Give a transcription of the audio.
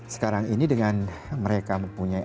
sekarang ini dengan mereka mempunyai